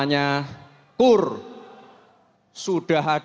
danah yang berharga dan kemampuan